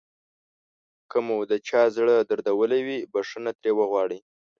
که مو د چا زړه دردولی وي بښنه ترې وغواړئ.